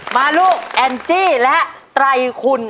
ลูกแอนจี้และไตรคุณ